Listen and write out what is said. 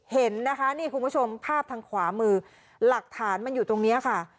เห็นนะคะนี่คุณผู้ชมภาพทางขวามือหลักฐานมันอยู่ตรงนี้ค่ะ